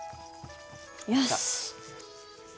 よし。